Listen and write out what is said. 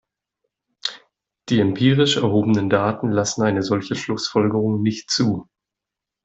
Die empirisch erhobenen Daten lassen eine solche Schlussfolgerung nicht zu.